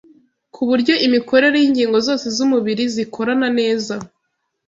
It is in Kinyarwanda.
ku buryo imikorere y’ingingo zose z’umubiri zikorana neza